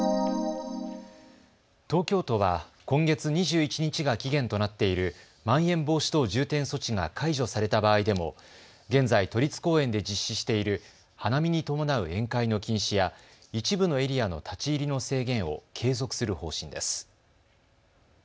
東京都は今月２１日が期限となっているまん延防止等重点措置が解除された場合でも現在、都立公園で実施している花見に伴う宴会の禁止や一部のエリアの立ち入りの制限を継続する方針です。